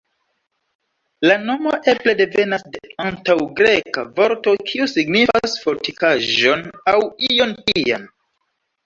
La nomo eble devenas de antaŭ-Greka vorto kiu signifas "fortikaĵon" aŭ ion tian.